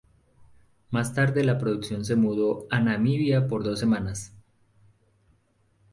Más tarde la producción se mudó a Namibia por dos semanas.